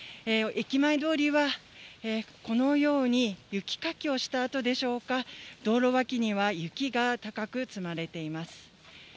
駅前通りはこのように雪かきをしたあとでしょうか、道路脇には雪が高く積まれています。